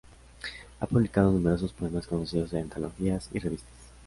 Ha publicado numerosos poemas conocidos en antologías y revistas.